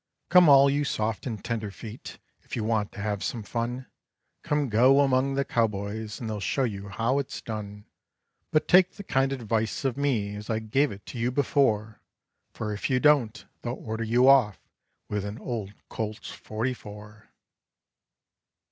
Come all you soft and tenderfeet, if you want to have some fun, Come go among the cowboys and they'll show you how it's done; But take the kind advice of me as I gave it to you before, For if you don't, they'll order you off with an old Colt's forty four.